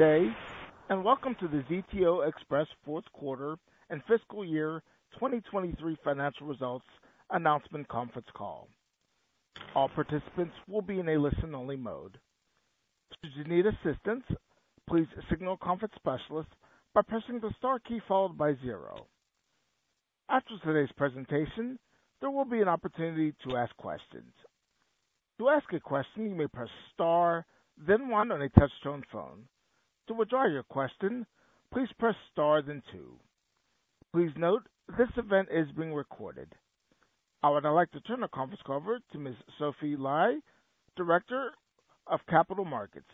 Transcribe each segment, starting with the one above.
Today and welcome to the ZTO Express Fourth Quarter and Fiscal Year 2023 Financial Results Announcement Conference Call. All participants will be in a listen-only mode. Should you need assistance, please signal Conference Specialist by pressing the star key followed by zero. After today's presentation, there will be an opportunity to ask questions. To ask a question, you may press star, then 1 on a touch-tone phone. To withdraw your question, please press star then two. Please note, this event is being recorded. I would like to turn the conference call over to Ms. Sophie Li, Director of Capital Markets.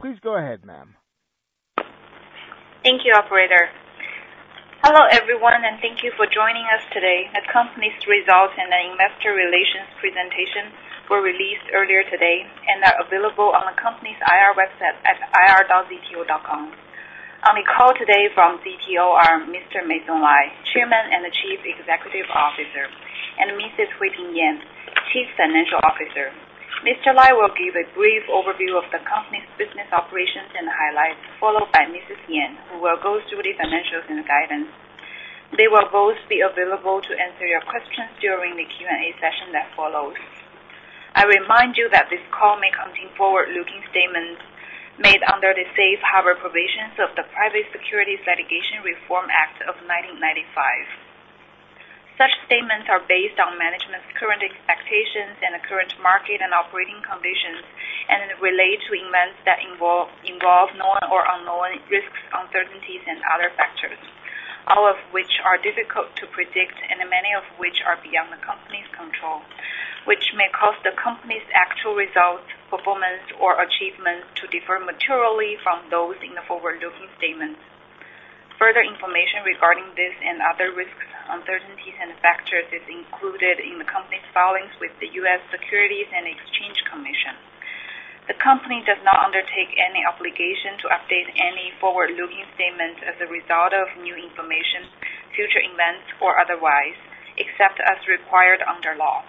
Please go ahead, ma'am. Thank you, Operator. Hello, everyone, and thank you for joining us today. The company's results and the investor relations presentation were released earlier today and are available on the company's IR website at ir.zto.com. On the call today from ZTO are Mr. Meisong Lai, Chairman and Chief Executive Officer, and Mrs. Huiping Yan, Chief Financial Officer. Mr. Lai will give a brief overview of the company's business operations and highlights, followed by Mrs. Yan, who will go through the financials and guidance. They will both be available to answer your questions during the Q&A session that follows. I remind you that this call may contain forward-looking statements made under the safe harbor provisions of the Private Securities Litigation Reform Act of 1995. Such statements are based on management's current expectations and the current market and operating conditions, and relate to events that involve known or unknown risks, uncertainties, and other factors, all of which are difficult to predict and many of which are beyond the company's control, which may cause the company's actual results, performance, or achievements to differ materially from those in the forward-looking statements. Further information regarding this and other risks, uncertainties, and factors is included in the company's filings with the U.S. Securities and Exchange Commission. The company does not undertake any obligation to update any forward-looking statements as a result of new information, future events, or otherwise, except as required under law.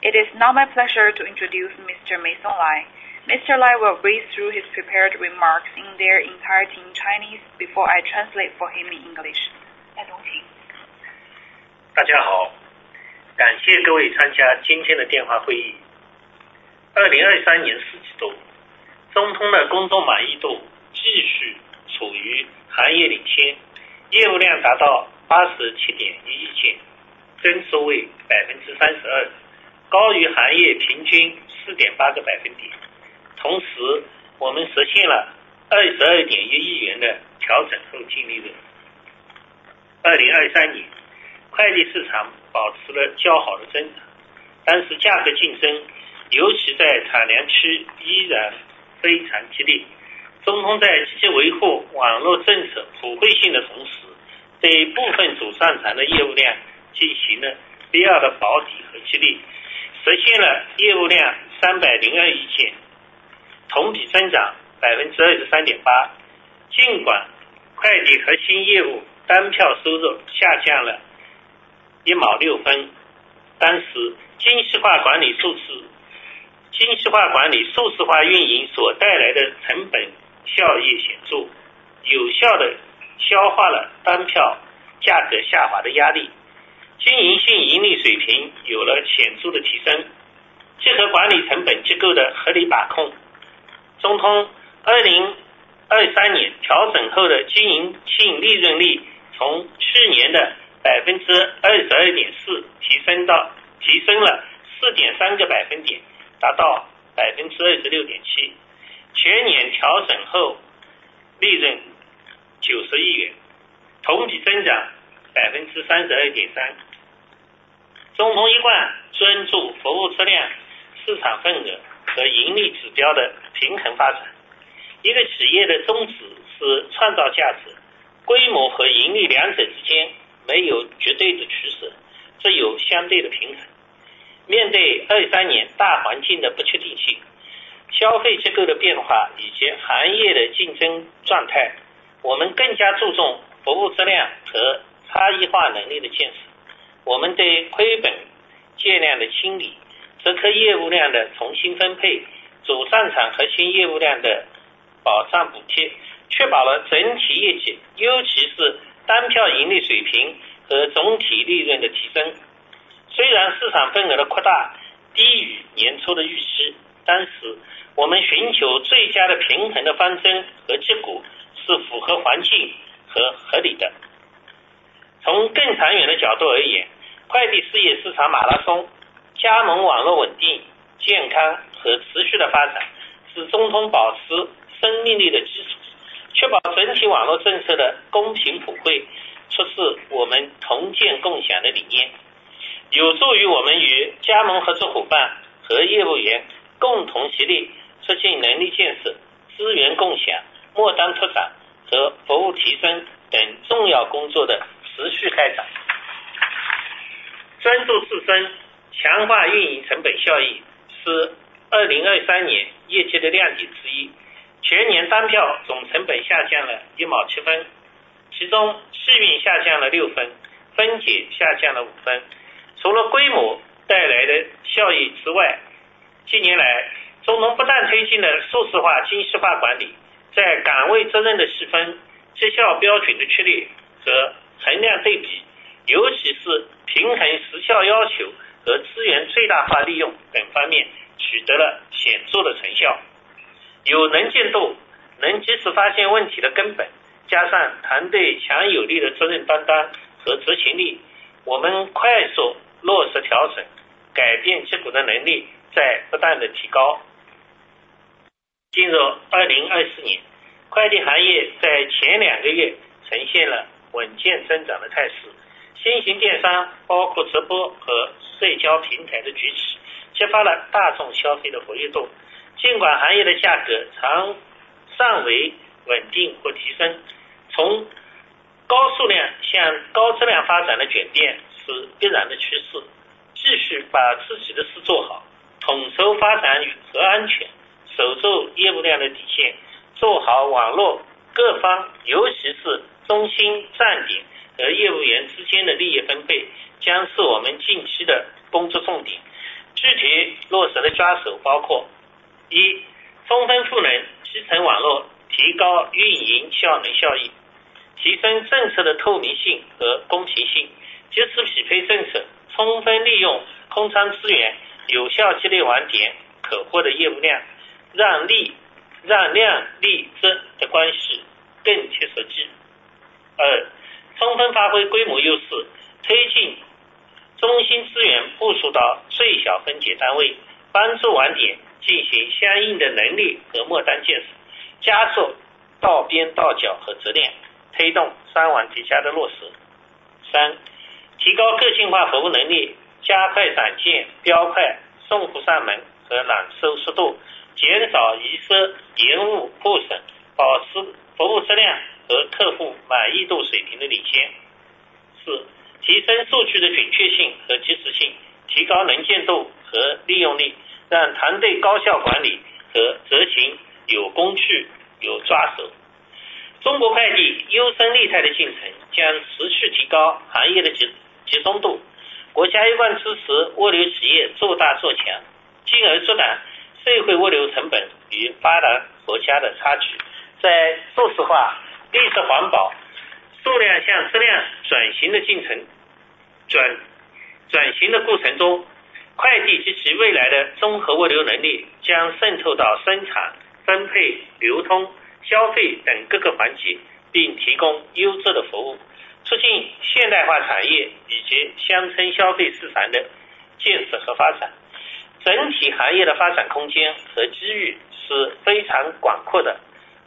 It is my pleasure to introduce Mr. Meisong Lai. Mr. Lai will read through his prepared remarks in their entirety in Chinese before I translate for him in English.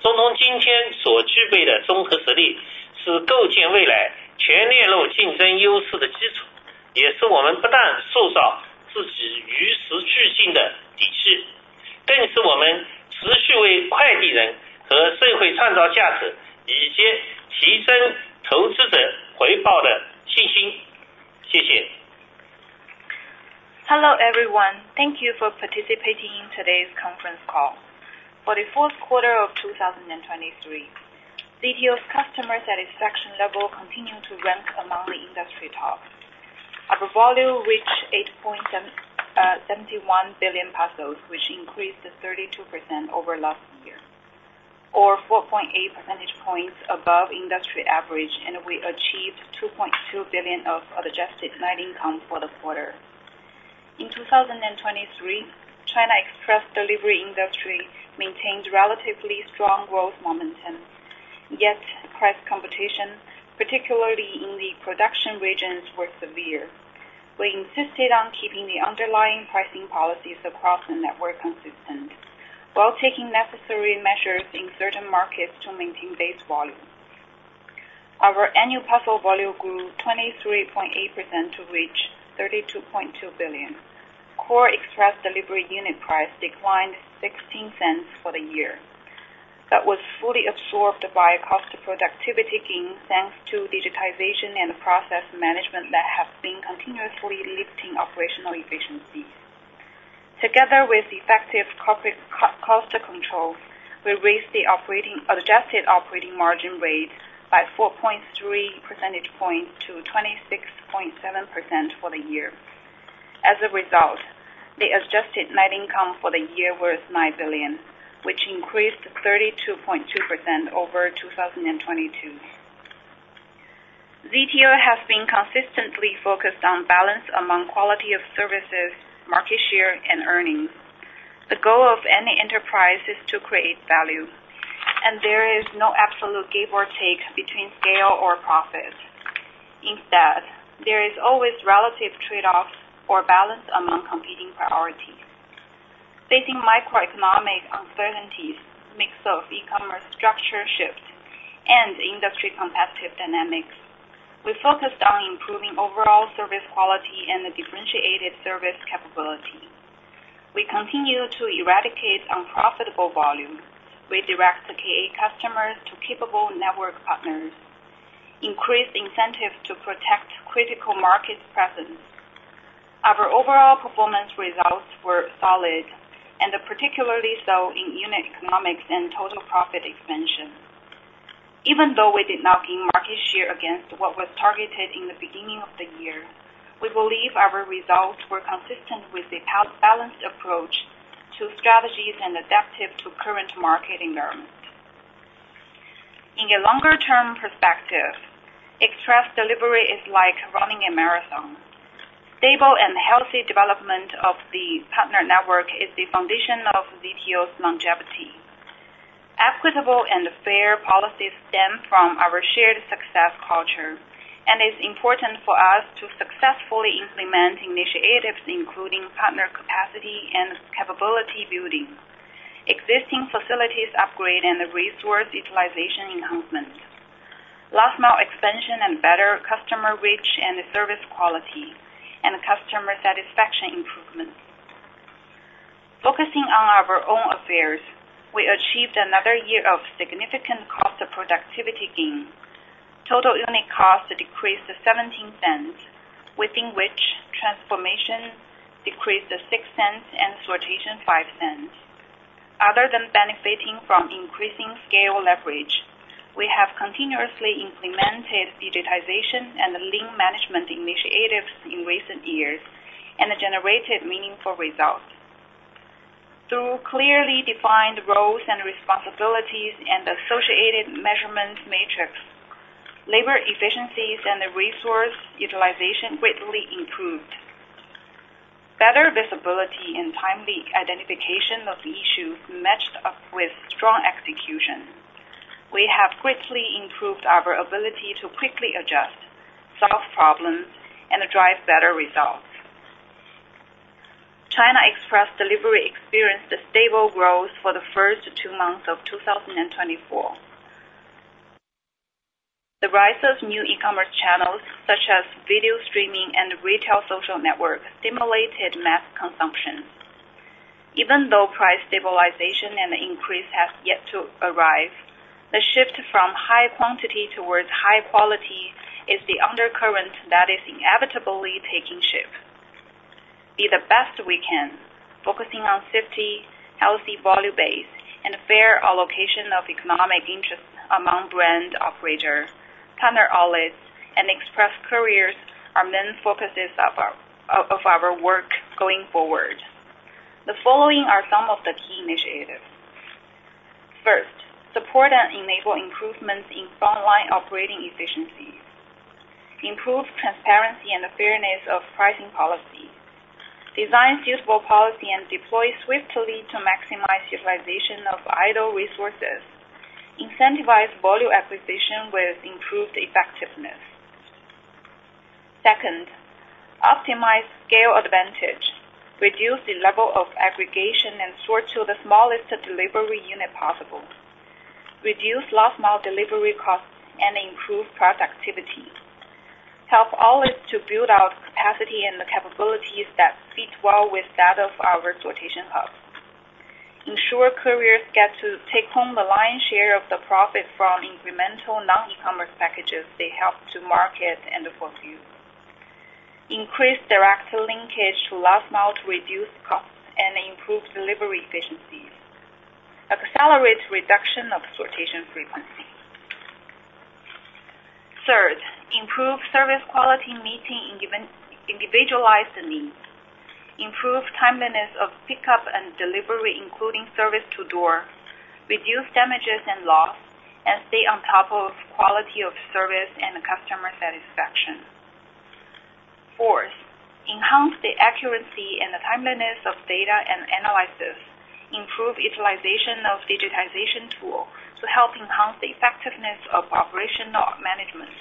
Hello everyone, thank you for participating in today's conference call. For the fourth quarter of 2023, ZTO's customer satisfaction level continued to rank among the industry top. Our volume reached 8.71 billion parcels, which increased 32% over last year, or 4.8 percentage points above industry average, and we achieved 2.2 billion of adjusted net income for the quarter. In 2023, China's express delivery industry maintained relatively strong growth momentum, yet price competition, particularly in the production regions, was severe. We insisted on keeping the underlying pricing policies across the network consistent, while taking necessary measures in certain markets to maintain base volume. Our annual parcel volume grew 23.8% to reach 32.2 billion. Core express delivery unit price declined 0.16 for the year. That was fully absorbed by cost productivity gains thanks to digitization and process management that have been continuously lifting operational efficiencies. Together with effective cost control, we raised the adjusted operating margin rate by 4.3 percentage points to 26.7% for the year. As a result, the adjusted net income for the year was 9 billion, which increased 32.2% over 2022. ZTO has been consistently focused on balance among quality of services, market share, and earnings. The goal of any enterprise is to create value, and there is no absolute give or take between scale or profit. Instead, there is always relative trade-offs or balance among competing priorities. Facing microeconomic uncertainties, mix of e-commerce structure shifts, and industry competitive dynamics, we focused on improving overall service quality and the differentiated service capability. We continue to eradicate unprofitable volume. We direct the KA customers to capable network partners, increase incentives to protect critical market presence. Our overall performance results were solid, and particularly so in unit economics and total profit expansion. Even though we did not gain market share against what was targeted in the beginning of the year, we believe our results were consistent with a balanced approach to strategies and adaptive to current market environment. In a longer-term perspective, express delivery is like running a marathon. Stable and healthy development of the partner network is the foundation of ZTO's longevity. Equitable and fair policies stem from our shared success culture, and it's important for us to successfully implement initiatives including partner capacity and capability building, existing facilities upgrade, and resource utilization enhancement, last-mile expansion and better customer reach and service quality, and customer satisfaction improvements. Focusing on our own affairs, we achieved another year of significant cost productivity gain. Total unit cost decreased 0.17, within which transformation decreased 0.06 and sortation 0.05. Other than benefiting from increasing scale leverage, we have continuously implemented digitization and lean management initiatives in recent years and generated meaningful results. Through clearly defined roles and responsibilities and associated measurements matrix, labor efficiencies and resource utilization greatly improved. Better visibility and timely identification of issues matched up with strong execution. We have greatly improved our ability to quickly adjust, solve problems, and drive better results. China Express delivery experienced a stable growth for the first two months of 2024. The rise of new e-commerce channels, such as video streaming and retail social networks, stimulated mass consumption. Even though price stabilization and increase have yet to arrive, the shift from high quantity towards high quality is the undercurrent that is inevitably taking shape. Be the best we can, focusing on safety, healthy volume base, and fair allocation of economic interest among brand operators, partner outlets, and express couriers, are main focuses of our work going forward. The following are some of the key initiatives. First, support and enable improvements in frontline operating efficiencies. Improve transparency and fairness of pricing policy. Design suitable policy and deploy swiftly to maximize utilization of idle resources. Incentivize volume acquisition with improved effectiveness. Second, optimize scale advantage. Reduce the level of aggregation and sort to the smallest delivery unit possible. Reduce last-mile delivery costs and improve productivity. Help outlets to build out capacity and the capabilities that fit well with that of our sortation hubs. Ensure couriers get to take home the lion's share of the profit from incremental non-e-commerce packages they help to market and forward. Increase direct linkage to last-mile to reduce costs and improve delivery efficiencies. Accelerate reduction of sortation frequency. Third, improve service quality meeting individualized needs. Improve timeliness of pickup and delivery, including service to door. Reduce damages and loss, and stay on top of quality of service and customer satisfaction. Fourth, enhance the accuracy and timeliness of data and analysis. Improve utilization of digitization tools to help enhance the effectiveness of operational management.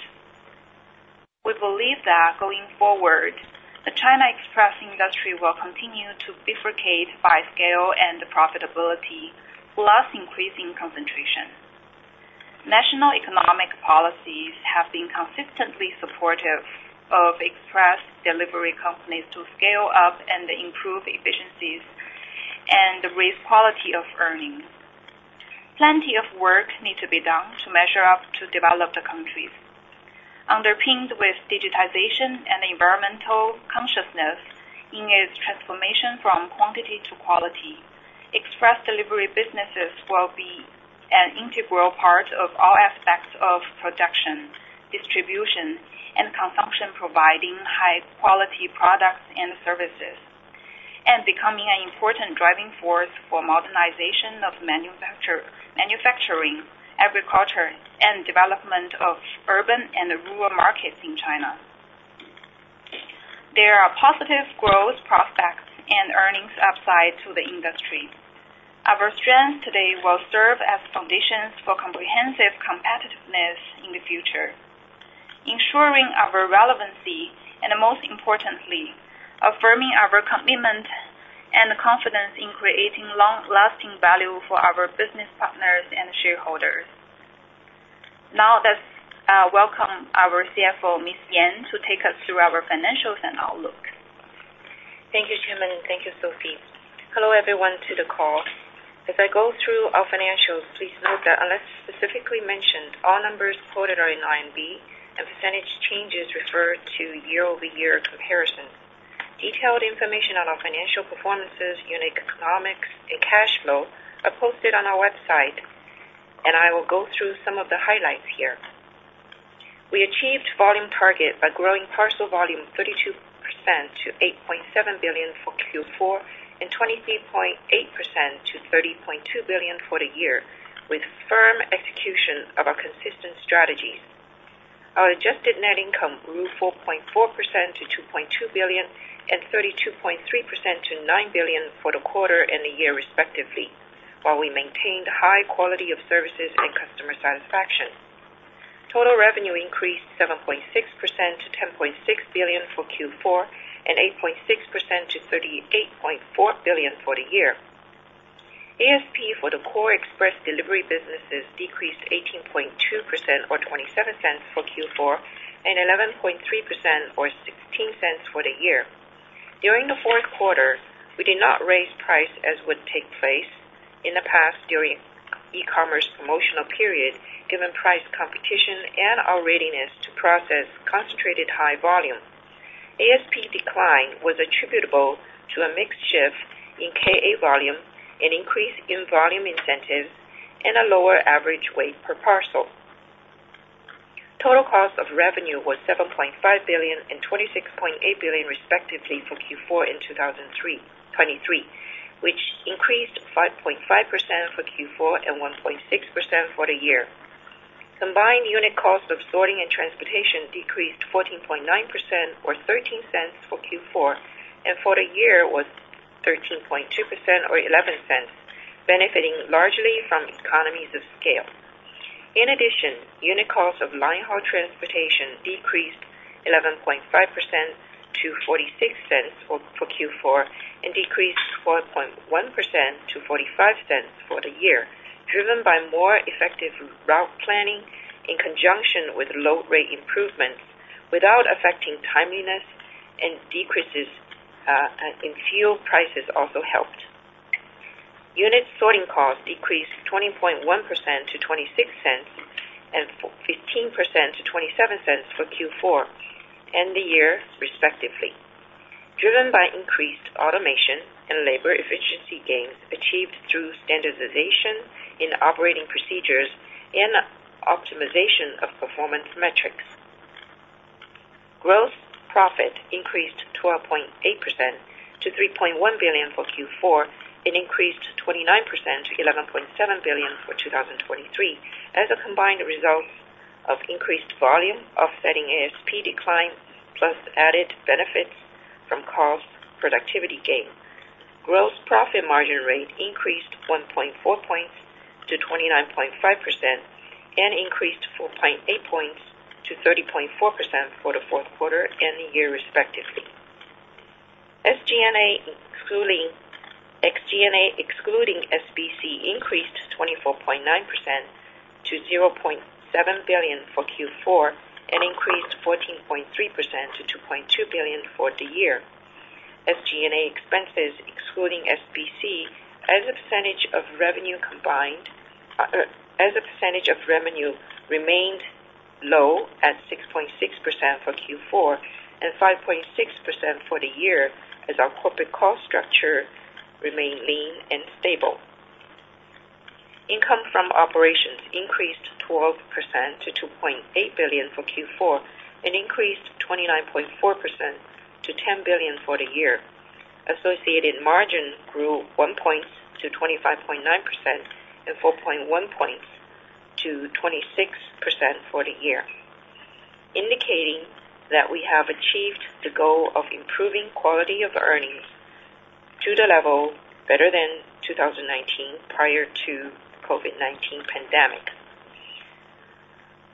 We believe that going forward, the China Express industry will continue to bifurcate by scale and profitability, plus increasing concentration. National economic policies have been consistently supportive of Express delivery companies to scale up and improve efficiencies and raise quality of earning. Plenty of work needs to be done to measure up to develope countries. Underpinned with digitization and environmental consciousness in its transformation from quantity to quality, express delivery businesses will be an integral part of all aspects of production, distribution, and consumption, providing high-quality products and services, and becoming an important driving force for modernization of manufacturing, agriculture, and development of urban and rural markets in China. There are positive growth prospects and earnings upside to the industry. Our strengths today will serve as foundations for comprehensive competitiveness in the future, ensuring our relevancy and, most importantly, affirming our commitment and confidence in creating long-lasting value for our business partners and shareholders. Now, let's welcome our CFO, Ms. Yan, to take us through our financials and outlook. Thank you, Chairman. Thank you, Sophie. Hello everyone to the call. As I go through our financials, please note that unless specifically mentioned, all numbers quoted are in RMB, and percentage changes refer to year-over-year comparisons. Detailed information on our financial performances, unit economics, and cash flow are posted on our website, and I will go through some of the highlights here. We achieved volume target by growing parcel volume 32%-8.7 billion for Q4 and 23.8%-30.2 billion for the year, with firm execution of our consistent strategies. Our adjusted net income grew 4.4%-RMB 2.2 billion and 32.3%-RMB 9 billion for the quarter and the year, respectively, while we maintained high quality of services and customer satisfaction. Total revenue increased 7.6% to 10.6 billion for Q4 and 8.6%-RMB 38.4 billion for the year. ASP for the core Express delivery businesses decreased 18.2% or 0.27 for Q4 and 11.3% or 0.16 for the year. During the fourth quarter, we did not raise price as would take place in the past during e-commerce promotional period, given price competition and our readiness to process concentrated high volume. ASP decline was attributable to a mixed shift in KA volume, an increase in volume incentives, and a lower average weight per parcel. Total cost of revenue was 7.5 billion and 26.8 billion, respectively, for Q4 and 2023, which increased 5.5% for Q4 and 1.6% for the year. Combined unit cost of sorting and transportation decreased 14.9% or 0.13 for Q4 and for the year was 13.2% or 0.11, benefiting largely from economies of scale. In addition, unit cost of line haul transportation decreased 11.5% to $0.46 for Q4 and decreased 12.1% to $0.45 for the year, driven by more effective route planning in conjunction with low-rate improvements. Without affecting timeliness, fuel prices also helped. Unit sorting costs decreased 20.1% to $0.26 and 15% to $0.27 for Q4 and the year, respectively, driven by increased automation and labor efficiency gains achieved through standardization in operating procedures and optimization of performance metrics. Gross profit increased 12.8% to 3.1 billion for Q4 and increased 29% to 11.7 billion for 2023 as a combined result of increased volume, offsetting ASP decline, plus added benefits from cost productivity gain. Gross profit margin rate increased 1.4 points to 29.5% and increased 4.8 points to 30.4% for the fourth quarter and the year, respectively. SG&A excluding SBC increased 24.9%-RMB 0.7 billion for Q4 and increased 14.3%-RMB 2.2 billion for the year. SG&A expenses excluding SBC, as a percentage of revenue combined, remained low at 6.6% for Q4 and 5.6% for the year, as our corporate cost structure remained lean and stable. Income from operations increased 12%-RMB 2.8 billion for Q4 and increased 29.4% to 10 billion for the year. Associated margin grew 1 points to 25.9% and 4.1 points to 26% for the year, indicating that we have achieved the goal of improving quality of earnings to the level better than 2019 prior to the COVID-19 pandemic.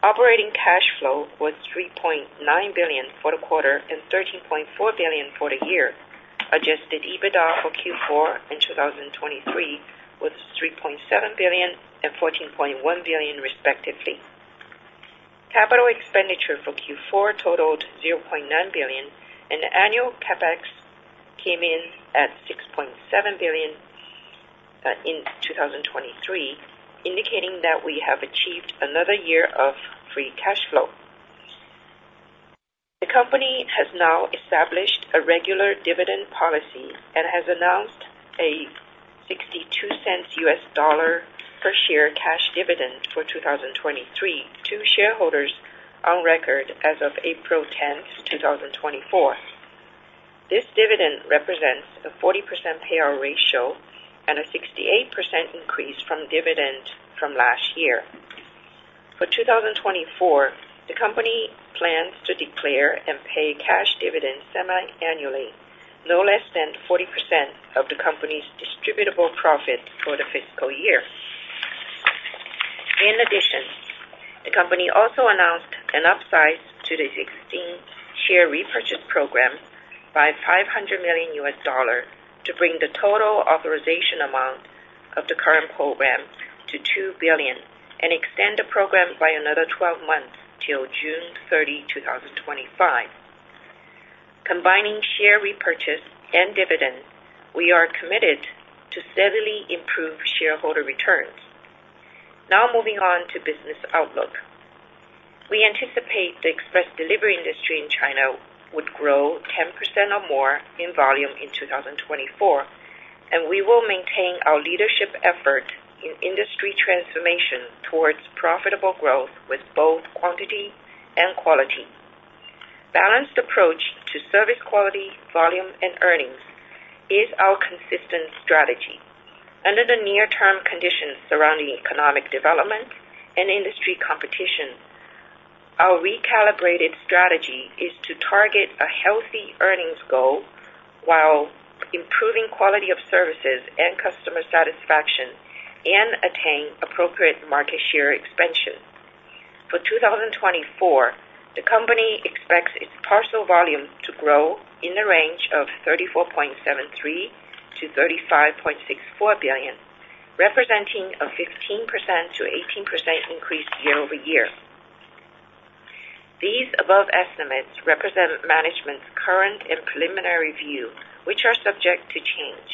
Operating cash flow was 3.9 billion for the quarter and 13.4 billion for the year. Adjusted EBITDA for Q4 and 2023 was 3.7 billion and 14.1 billion, respectively. CapEx for Q4 totaled 0.9 billion, and the annual CapEx came in at 6.7 billion in 2023, indicating that we have achieved another year of free cash flow. The company has now established a regular dividend policy and has announced a $0.62 per share cash dividend for 2023 to shareholders on record as of April 10th, 2024. This dividend represents a 40% payout ratio and a 68% increase from dividend from last year. For 2024, the company plans to declare and pay cash dividends semi-annually, no less than 40% of the company's distributable profit for the fiscal year. In addition, the company also announced an upsize to the $1.5 billion share repurchase program by $500 million to bring the total authorization amount of the current program to $2 billion and extend the program by another 12 months till June 30, 2025. Combining share repurchase and dividends, we are committed to steadily improve shareholder returns. Now, moving on to business outlook. We anticipate the express delivery industry in China would grow 10% or more in volume in 2024, and we will maintain our leadership effort in industry transformation towards profitable growth with both quantity and quality. Balanced approach to service quality, volume, and earnings is our consistent strategy. Under the near-term conditions surrounding economic development and industry competition, our recalibrated strategy is to target a healthy earnings goal while improving quality of services and customer satisfaction and attain appropriate market share expansion. For 2024, the company expects its parcel volume to grow in the range of 34.73-35.64 billion, representing a 15%-18% increase year-over-year. The above estimates represent management's current and preliminary view, which are subject to change.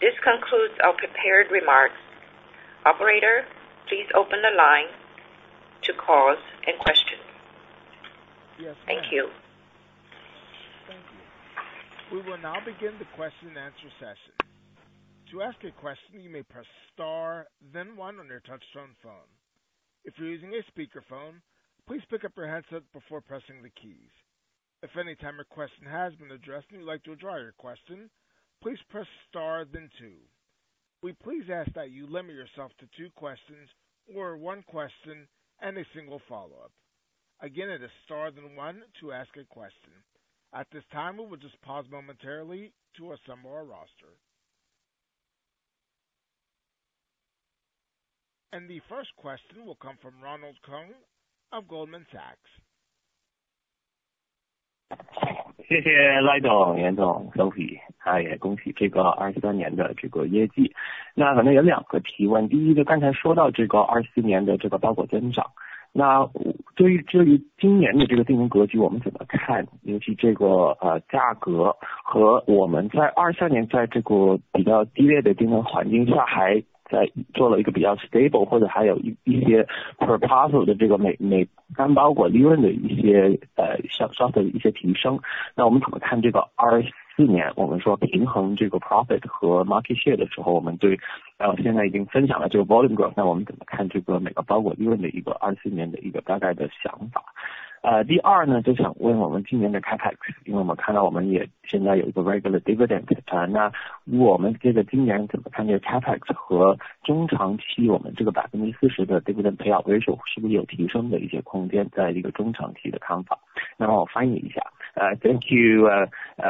This concludes our prepared remarks. Operator, please open the line to calls and questions. Yes, ma'am. Thank you. Thank you. We will now begin the question and answer session. To ask a question, you may press star, then one, on your touchstone phone. If you're using a speakerphone, please pick up your headset before pressing the keys. If at any time your question has been addressed and you'd like to withdraw your question, please press star, then two. We please ask that you limit yourself to two questions or one question and a single follow-up. Again, it is star, then one, to ask a question. At this time, we will just pause momentarily to assemble our roster. The first question will come from Ronald Keung of Goldman Sachs. 谢谢赖总、严总、Sophie。嗨，恭喜这个2023年的这个业绩。那反正有两个提问。第一，就刚才说到这个2024年的这个包裹增长。那对于今年的这个订单格局我们怎么看？尤其这个价格和我们在2023年在这个比较低位的订单环境下还在做了一个比较stable，或者还有一些proposal的这个每单包裹利润的一些short的一些提升。那我们怎么看这个2024年？我们说平衡这个profit和market share的时候，我们对现在已经分享了这个volume growth，那我们怎么看这个每个包裹利润的一个2024年的一个大概的想法？第二呢，就想问我们今年的CapEx，因为我们看到我们也现在有一个regular dividend。那我们这个今年怎么看这个CapEx和中长期我们这个40%的dividend payout ratio是不是有提升的一些空间在一个中长期的看法？那么我翻译一下。Thank you,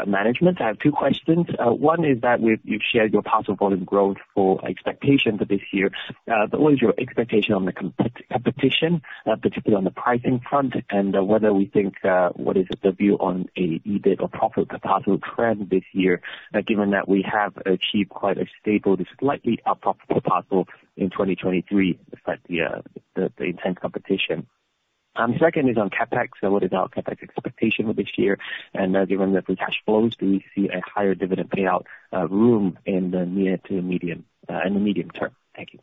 management. I have two questions. One is that you've shared your possible volume growth for expectations this year. But what is your expectation on the competition, particularly on the pricing front, and whether we think what is the view on an EBIT or profit per parcel trend this year, given that we have achieved quite a stable, slightly upper proposal in 2023 despite the intense competition? Second is on CapEx. What is our CapEx expectation for this year? And given the free cash flows, do we see a higher dividend payout room in the near to medium and the medium term? Thank you.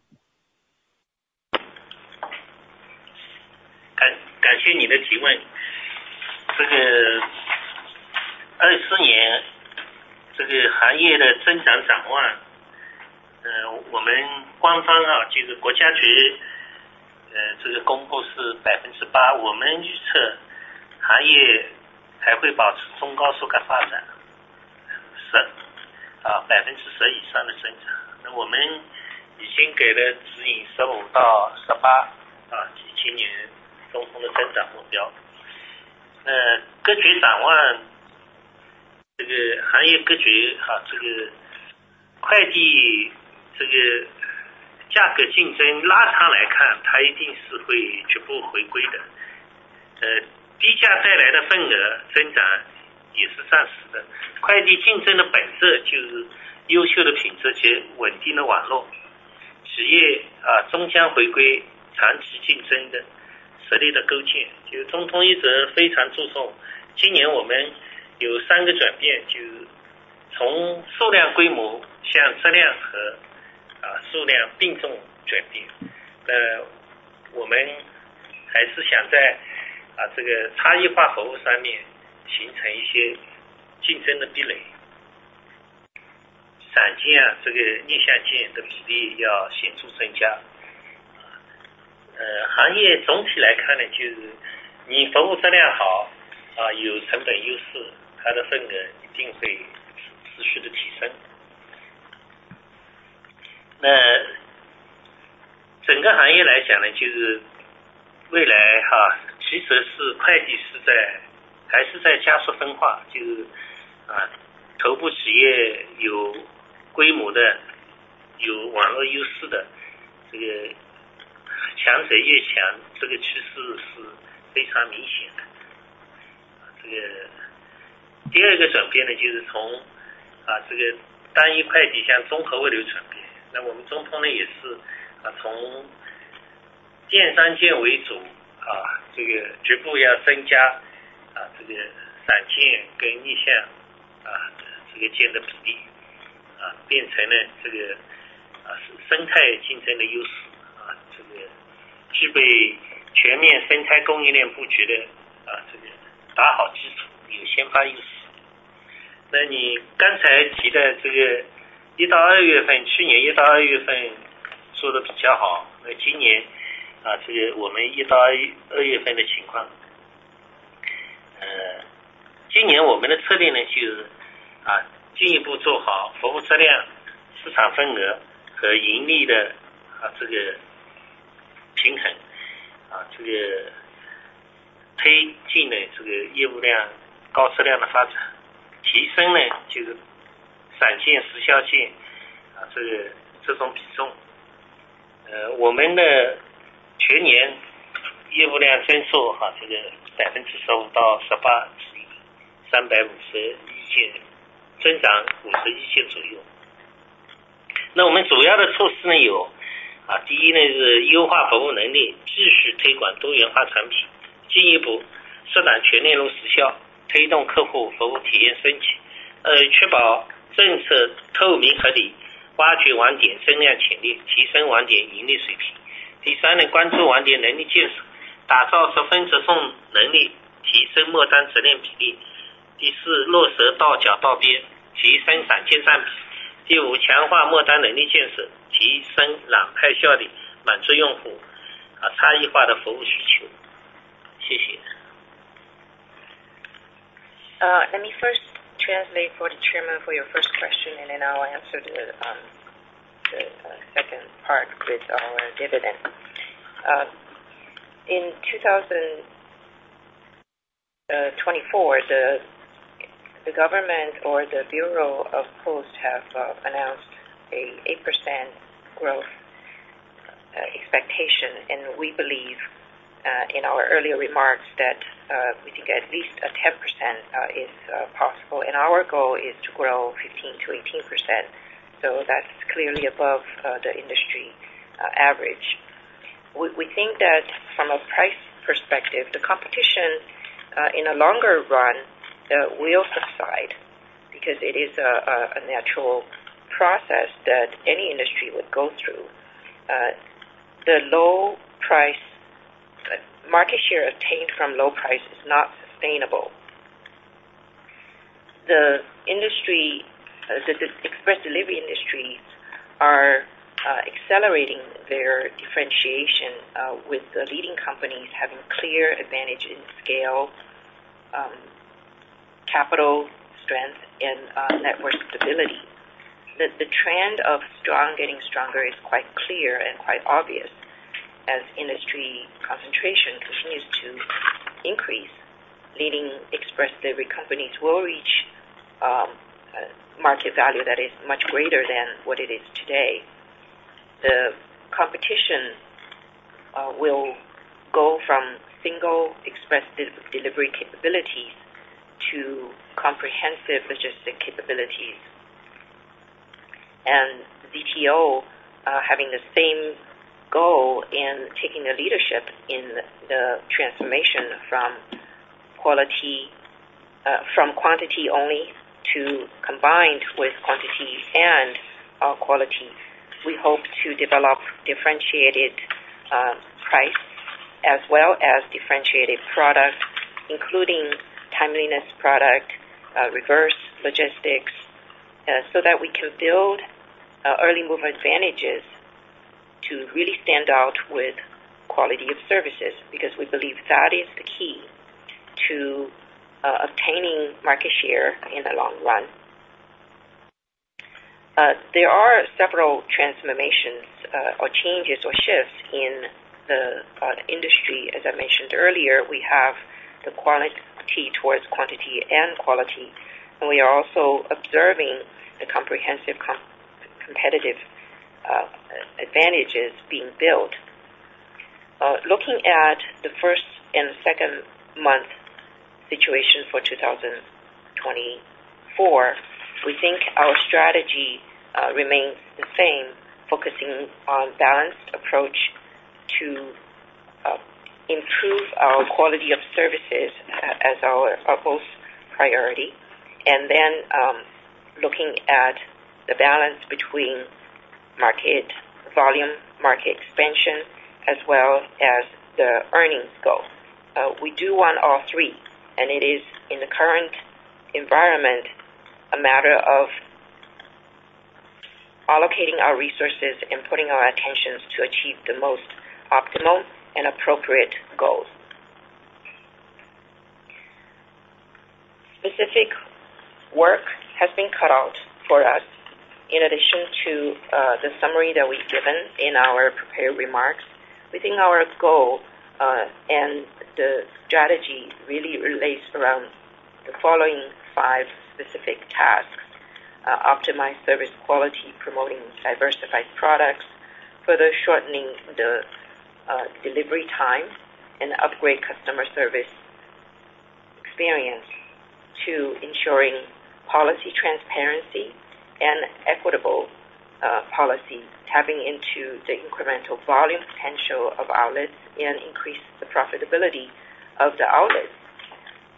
Let me first translate for the chairman for your first question, and then I'll answer the second part with our dividend. In 2024, the government or the Bureau of Posts have announced an 8% growth expectation, and we believe in our earlier remarks that we think at least a 10% is possible. Our goal is to grow 15%-18%. That's clearly above the industry average. We think that from a price perspective, the competition in a longer run will subside because it is a natural process that any industry would go through. The low price market share obtained from low price is not sustainable. The express delivery industries are accelerating their differentiation with the leading companies having clear advantage in scale, capital strength, and network stability. The trend of strong getting stronger is quite clear and quite obvious as industry concentration continues to increase, leading express delivery companies will reach market value that is much greater than what it is today. The competition will go from single express delivery capabilities to comprehensive logistics capabilities. ZTO having the same goal in taking the leadership in the transformation from quantity only to combined with quantity and quality. We hope to develop differentiated price as well as differentiated product, including timeliness product, reverse logistics, so that we can build early move advantages to really stand out with quality of services because we believe that is the key to obtaining market share in the long run. There are several transformations or changes or shifts in the industry. As I mentioned earlier, we have the quality towards quantity and quality, and we are also observing the comprehensive competitive advantages being built. Looking at the first and second month situation for 2024, we think our strategy remains the same, focusing on a balanced approach to improve our quality of services as our upper priority, and then looking at the balance between market volume, market expansion, as well as the earnings goal. We do want all three, and it is in the current environment a matter of allocating our resources and putting our attentions to achieve the most optimal and appropriate goals. Specific work has been cut out for us in addition to the summary that we've given in our prepared remarks. We think our goal and the strategy really relates around the following five specific tasks: optimize service quality, promoting diversified products, further shortening the delivery time, and upgrade customer service experience to ensuring policy transparency and equitable policy, tapping into the incremental volume potential of outlets and increase the profitability of the outlets.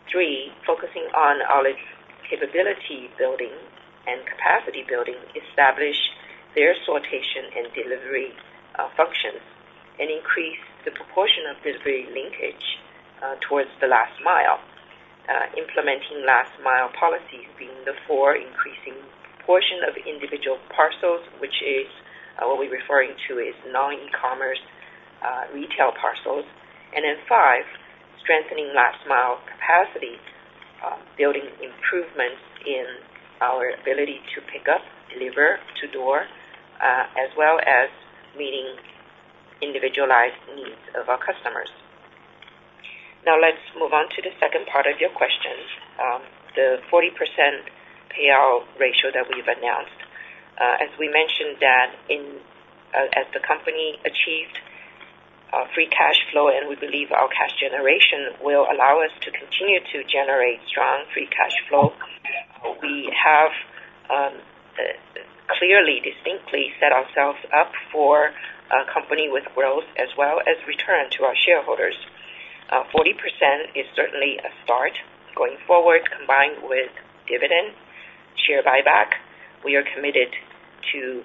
Three, focusing on outlet capability building and capacity building, establish their sortation and delivery functions, and increase the proportion of delivery linkage towards the last mile, implementing last mile policies being the four increasing proportion of individual parcels, which is what we're referring to as non-ecommerce retail parcels. And then five, strengthening last mile capacity, building improvements in our ability to pick up, deliver to door, as well as meeting individualized needs of our customers. Now, let's move on to the second part of your question, the 40% payout ratio that we've announced. As we mentioned that as the company achieved free cash flow, and we believe our cash generation will allow us to continue to generate strong free cash flow, we have clearly, distinctly set ourselves up for a company with growth as well as return to our shareholders. 40% is certainly a start going forward combined with dividend share buyback. We are committed to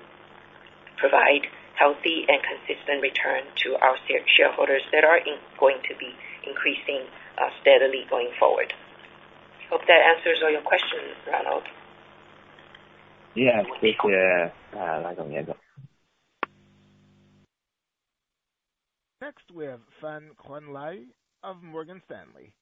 provide healthy and consistent return to our shareholders that are going to be increasing steadily going forward. Hope that answers all your questions, Ronald. 谢谢赖总、严总。Next, we have Qianlei Fan of Morgan Stanley.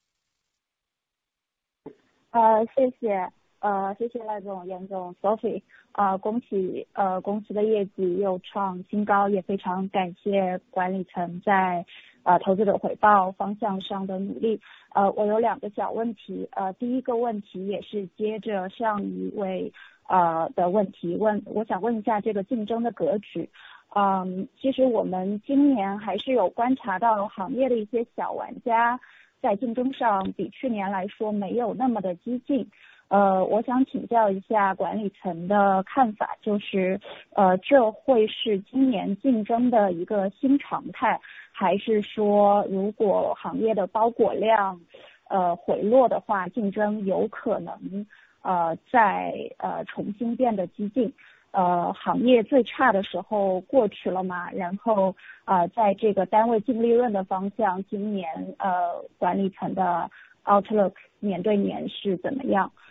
谢谢赖总、严总、Sophie。恭喜公司的业绩又创新高，也非常感谢管理层在投资者回报方向上的努力。我有两个小问题，第一个问题也是接着上一位的问题，我想问一下这个竞争的格局。其实我们今年还是有观察到行业的一些小玩家在竞争上比去年来说没有那么的激进。我想请教一下管理层的看法，就是这会是今年竞争的一个新常态，还是说如果行业的包裹量回落的话，竞争有可能再重新变得激进？行业最差的时候过去了吗？然后在这个单位净利润的方向，今年管理层的outlook年对年是怎么样？这是第一个问题。第二个问题想问一下，就是今年3月开始执行的这个快递上门新规对咱们的影响，咱们有没有观察到什么经营层面的一些改变？它对我们未来的成本和未来的竞争格局的潜在影响是怎样？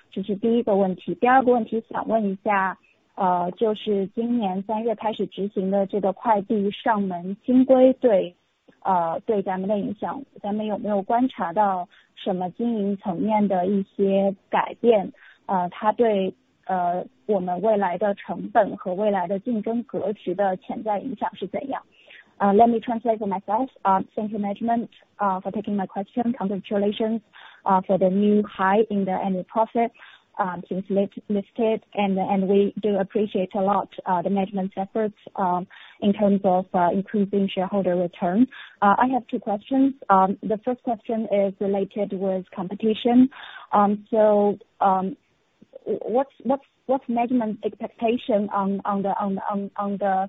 Let me translate for myself. Thank you, management, for taking my question. Congratulations for the new high in the annual profit. Please lift it. And we do appreciate a lot the management's efforts in terms of increasing shareholder return. I have two questions. The first question is related with competition. So what's management's expectation on the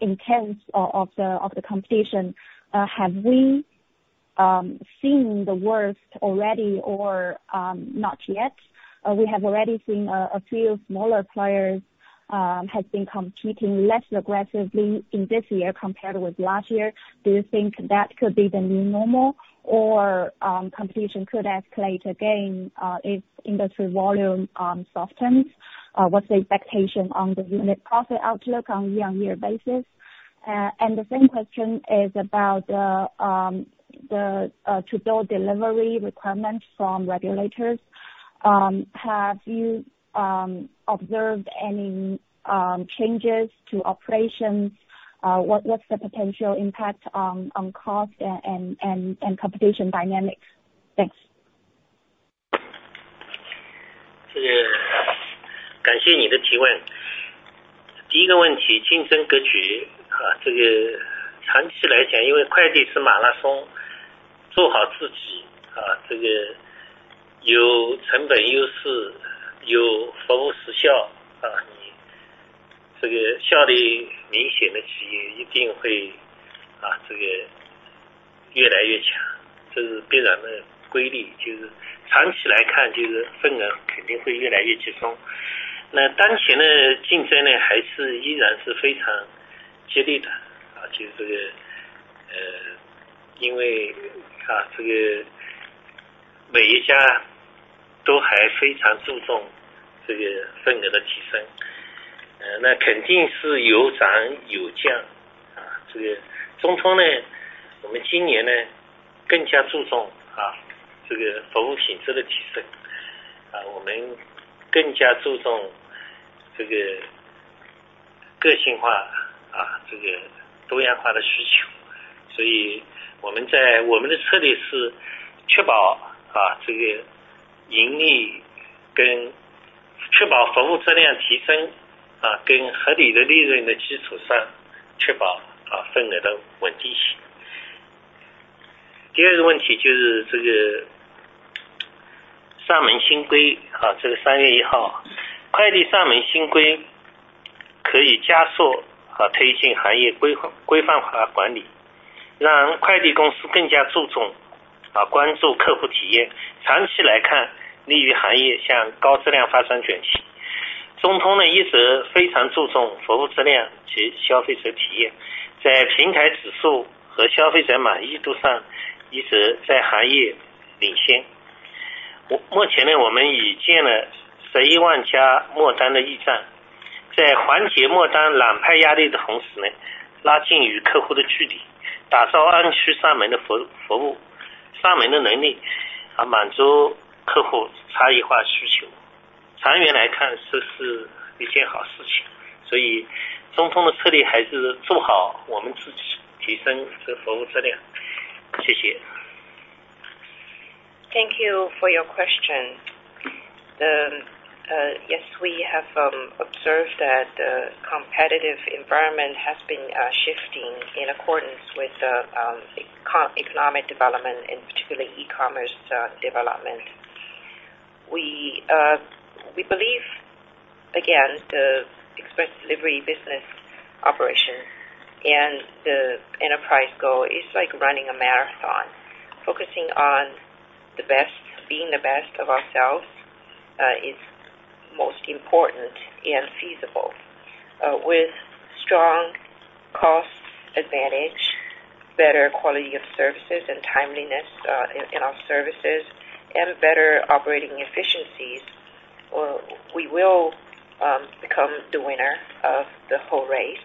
intensity of the competition? Have we seen the worst already or not yet? We have already seen a few smaller players have been competing less aggressively in this year compared with last year. Do you think that could be the new normal, or competition could escalate again if industry volume softens? What's the expectation on the unit profit outlook on a year-on-year basis? And the same question is about the door-to-door delivery requirements from regulators. Have you observed any changes to operations? What's the potential impact on cost and competition dynamics? Thanks. Thank you for your question. Yes, we have observed that the competitive environment has been shifting in accordance with economic development, and particularly e-commerce development. We believe, again, the Express delivery business operation and the enterprise goal is like running a marathon. Focusing on being the best of ourselves is most important and feasible. With strong cost advantage, better quality of services and timeliness in our services, and better operating efficiencies, we will become the winner of the whole race.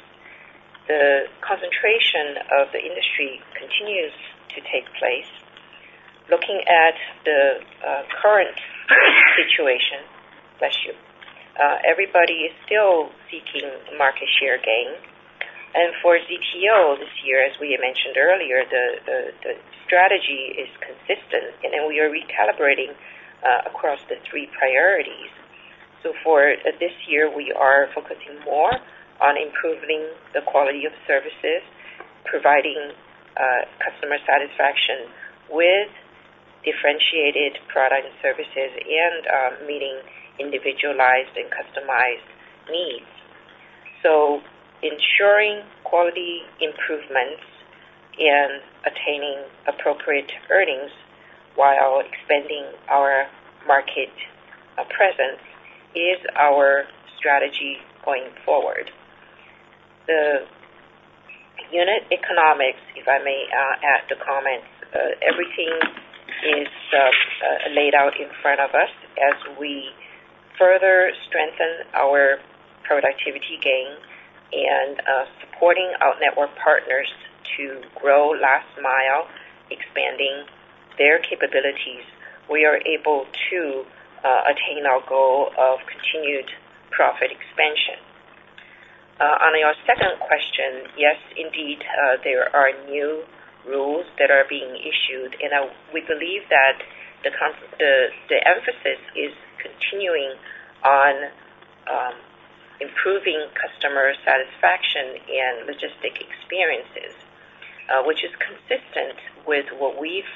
The concentration of the industry continues to take place. Looking at the current situation, everybody is still seeking market share gain. For ZTO this year, as we mentioned earlier, the strategy is consistent, and we are recalibrating across the three priorities. For this year, we are focusing more on improving the quality of services, providing customer satisfaction with differentiated product and services, and meeting individualized and customized needs. So ensuring quality improvements and attaining appropriate earnings while expanding our market presence is our strategy going forward. The unit economics, if I may add the comments, everything is laid out in front of us as we further strengthen our productivity gain and supporting our network partners to grow last mile, expanding their capabilities. We are able to attain our goal of continued profit expansion. On your second question, yes, indeed, there are new rules that are being issued, and we believe that the emphasis is continuing on improving customer satisfaction and logistics experiences, which is consistent with what we've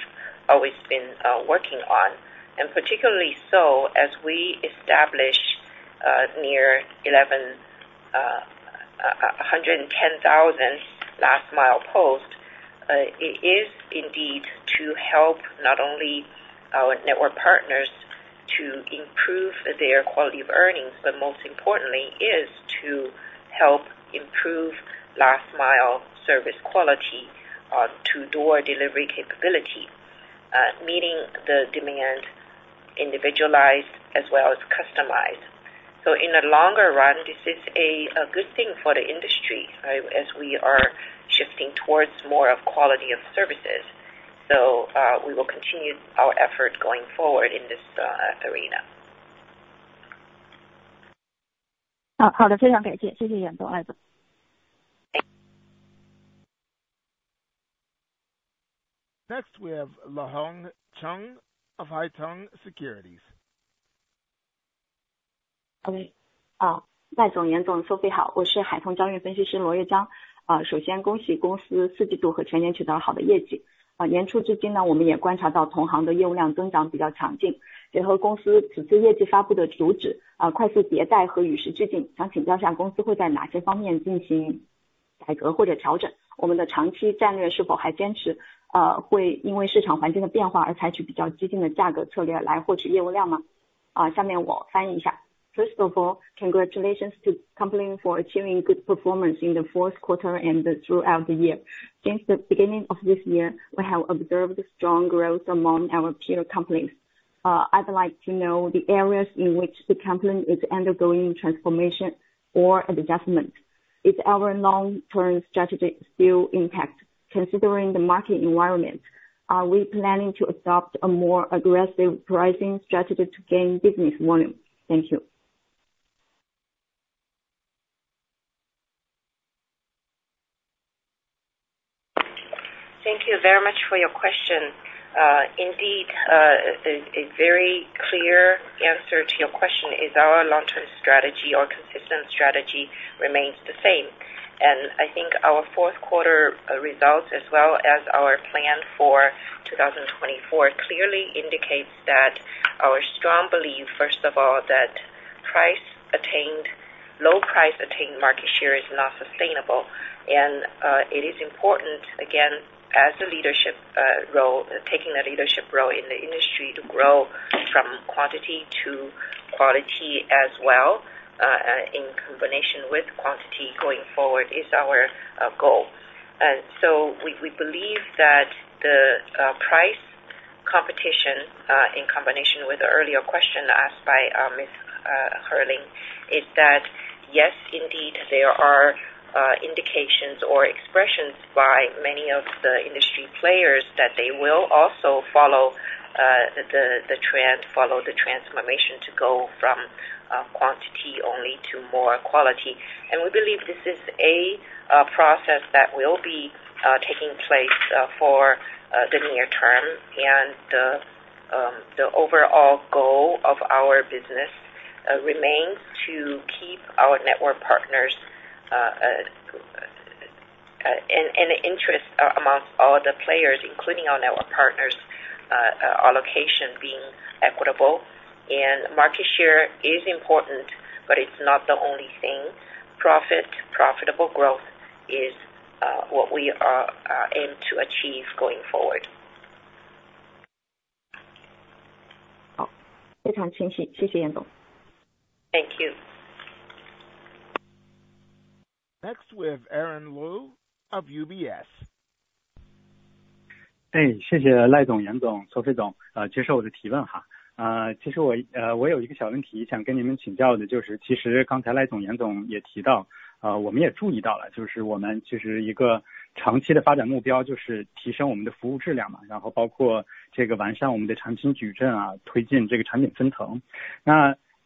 always been working on. And particularly so, as we establish near 110,000 last-mile posts, it is indeed to help not only our network partners to improve their quality of earnings, but most importantly, is to help improve last-mile service quality, to-door delivery capability, meeting the demand individualized as well as customized. So in the longer run, this is a good thing for the industry as we are shifting towards more of quality of services. So we will continue our effort going forward in this arena. 好的，非常感谢。谢谢严总、赖总。Thank you. Next, we have Lahong Cheng of Haitong Securities. 好的，赖总、严总，Sophie 好。我是海通交易分析师罗月江。首先恭喜公司四季度和全年取得了好的业绩。年初至今我们也观察到同行的业务量增长比较强劲，结合公司此次业绩发布的主旨，快速迭代和与时俱进，想请教一下公司会在哪些方面进行改革或者调整？我们的长期战略是否还坚持会因为市场环境的变化而采取比较激进的价格策略来获取业务量吗？下面我翻译一下。First of all, congratulations to company for achieving good performance in the fourth quarter and throughout the year. Since the beginning of this year, we have observed strong growth among our peer companies. I'd like to know the areas in which the company is undergoing transformation or adjustments. Is our long-term strategy still intact? Considering the market environment, are we planning to adopt a more aggressive pricing strategy to gain business volume? Thank you. Thank you very much for your question. Indeed, a very clear answer to your question is our long-term strategy or consistent strategy remains the same. I think our fourth quarter results as well as our plan for 2024 clearly indicates that our strong belief, first of all, that low-price attained market share is not sustainable. It is important, again, as a leadership role, taking the leadership role in the industry to grow from quantity to quality as well, in combination with quantity going forward is our goal. So we believe that the price competition, in combination with the earlier question asked by Ms. Herling, is that yes, indeed, there are indications or expressions by many of the industry players that they will also follow the trend, follow the transformation to go from quantity only to more quality. We believe this is a process that will be taking place for the near term. The overall goal of our business remains to keep our network partners' and the interest among all the players, including our network partners, allocation being equitable. Market share is important, but it's not the only thing. Profit, profitable growth is what we aim to achieve going forward. 非常清晰。谢谢严总。Thank you. Next, we have Aaron Luo of UBS.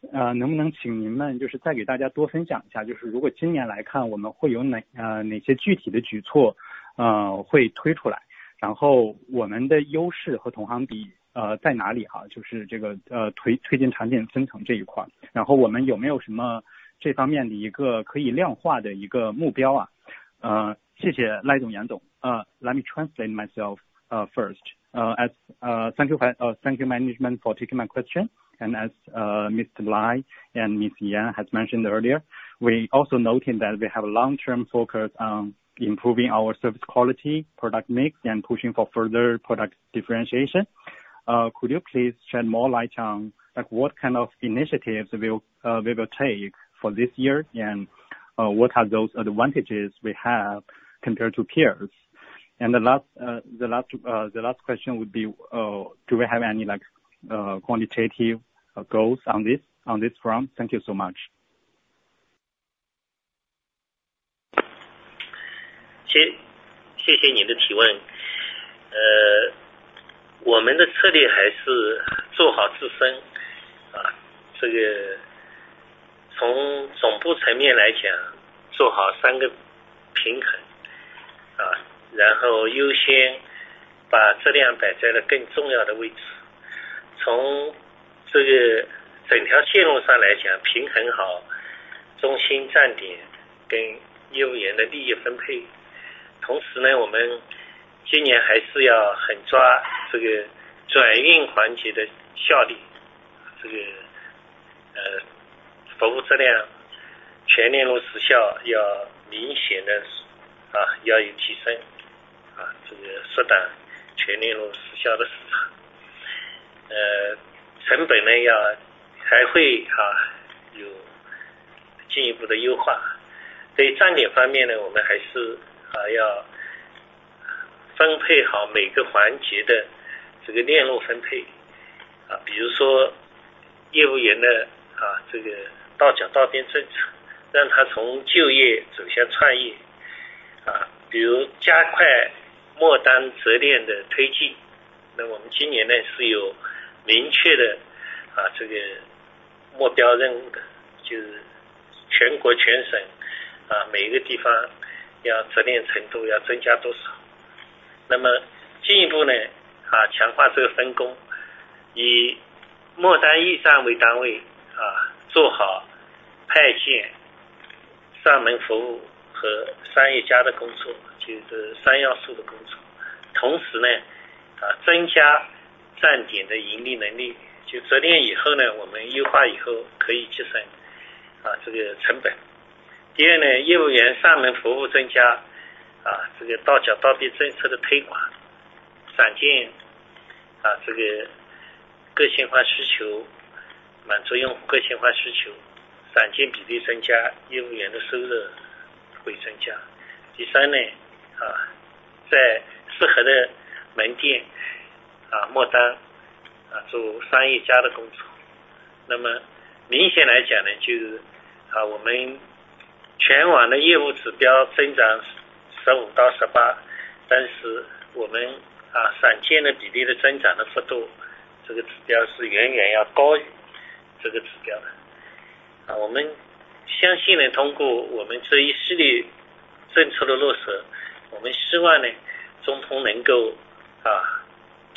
谢谢赖总、严总、Sophie 总接受我的提问哈。其实我有一个小问题想跟你们请教的，就是其实刚才赖总、严总也提到，我们也注意到了，就是我们其实一个长期的发展目标就是提升我们的服务质量嘛，然后包括这个完善我们的长期矩阵啊，推进这个产品分层。那能不能请您们就是再给大家多分享一下，就是如果今年来看，我们会有哪些具体的举措啊，会推出来，然后我们的优势和同行比在哪里哈，就是这个推进产品分层这一块，然后我们有没有什么这方面的一个可以量化的一个目标啊。谢谢赖总、严总。Let me translate myself first. Thank you, management, for taking my question. As Mr. Lai and Ms. Yan have mentioned earlier, we also noted that we have a long-term focus on improving our service quality, product mix, and pushing for further product differentiation. Could you please shed more light on what kind of initiatives we will take for this year, and what are those advantages we have compared to peers? The last question would be, do we have any quantitative goals on this front? Thank you so much.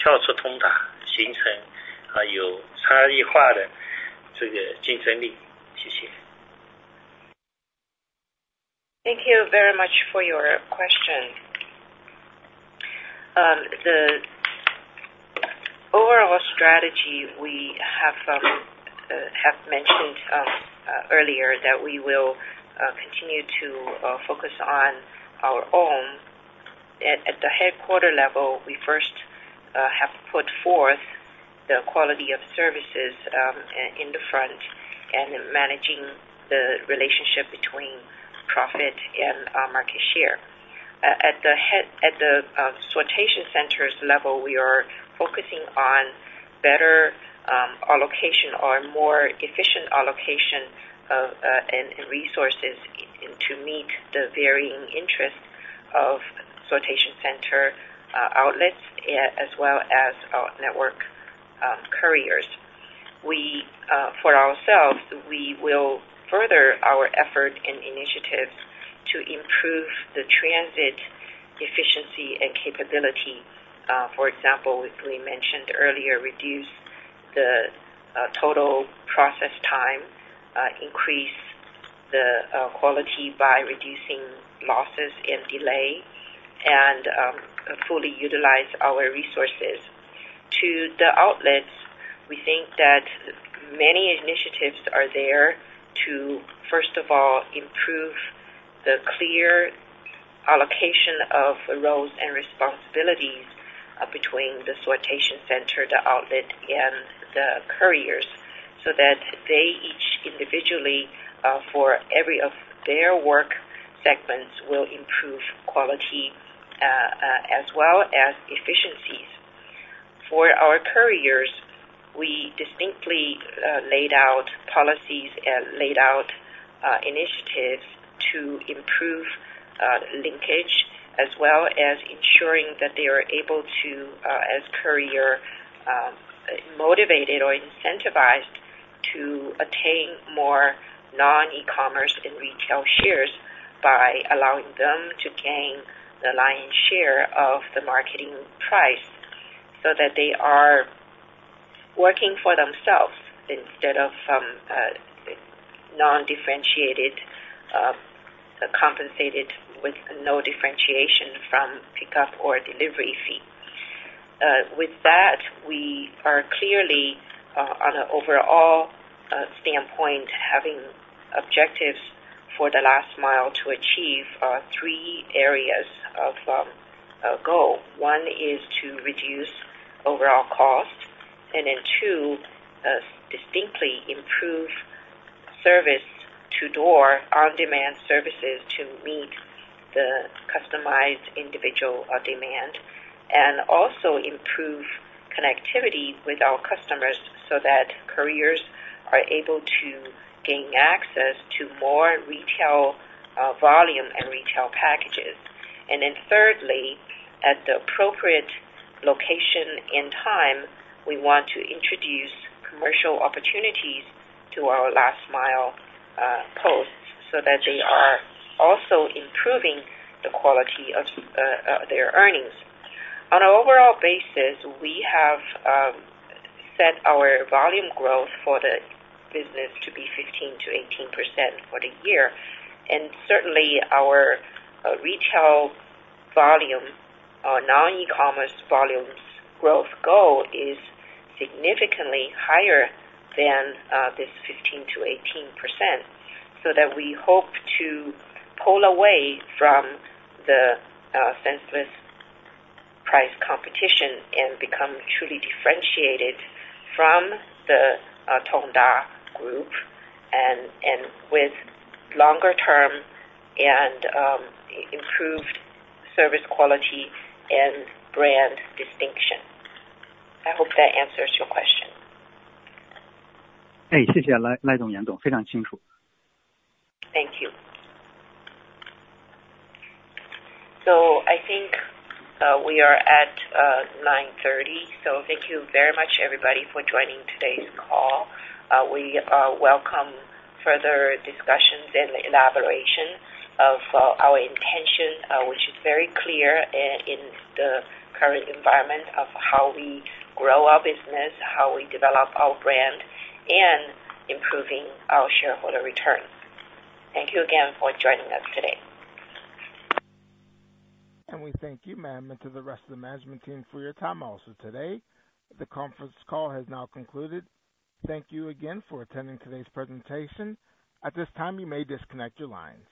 Thank you very much for your question. The overall strategy we have mentioned earlier that we will continue to focus on our own. At the headquarters level, we first have put forth the quality of services in the front and managing the relationship between profit and market share. At the sortation center's level, we are focusing on better allocation or more efficient allocation of resources to meet the varying interests of sortation center outlets as well as our network couriers. For ourselves, we will further our effort and initiatives to improve the transit efficiency and capability. For example, as we mentioned earlier, reduce the total process time, increase the quality by reducing losses and delay, and fully utilize our resources. To the outlets, we think that many initiatives are there to, first of all, improve the clear allocation of roles and responsibilities between the sortation center, the outlet, and the couriers, so that they each individually, for every of their work segments, will improve quality as well as efficiencies. For our couriers, we distinctly laid out policies and laid out initiatives to improve linkage as well as ensuring that they are able to, as couriers, be motivated or incentivized to attain more non-ecommerce and retail shares by allowing them to gain the lion's share of the marketing price so that they are working for themselves instead of non-differentiated, compensated with no differentiation from pickup or delivery fee. With that, we are clearly, on an overall standpoint, having objectives for the last mile to achieve three areas of goal. One is to reduce overall cost. And then, two, distinctly improve service to-door, on-demand services to meet the customized individual demand, and also improve connectivity with our customers so that couriers are able to gain access to more retail volume and retail packages. And then, thirdly, at the appropriate location and time, we want to introduce commercial opportunities to our last-mile posts so that they are also improving the quality of their earnings. On an overall basis, we have set our volume growth for the business to be 15%-18% for the year. And certainly, our retail volume or non-ecommerce volume growth goal is significantly higher than this 15%-18%, so that we hope to pull away from the senseless price competition and become truly differentiated from the Tongda group with longer-term and improved service quality and brand distinction. I hope that answers your question. 哎，谢谢赖总、严总，非常清楚。Thank you. I think we are at 9:30 A.M. Thank you very much, everybody, for joining today's call. We welcome further discussions and elaboration of our intention, which is very clear in the current environment of how we grow our business, how we develop our brand, and improving our shareholder returns. Thank you again for joining us today. We thank you, ma'am, and to the rest of the management team for your time also today. The conference call has now concluded. Thank you again for attending today's presentation. At this time, you may disconnect your lines.